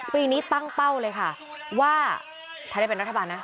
ปีนี้ตั้งเป้าเลยค่ะว่าถ้าได้เป็นรัฐบาลนะ